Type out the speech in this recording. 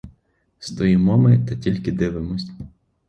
Стоїмо ми та тільки дивимось.